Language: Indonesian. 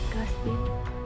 kamu harus ikhlas din